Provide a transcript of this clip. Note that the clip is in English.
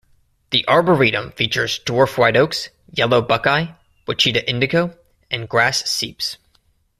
The arboretum features dwarf white oaks, yellow buckeye, Ouachita indigo, and grass seeps.